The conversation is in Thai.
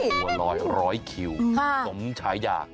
ต่อร้อยคิวสนมใช้อยาก